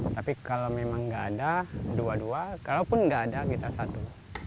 tapi kalau memang nggak ada dua dua kalaupun nggak ada kita satu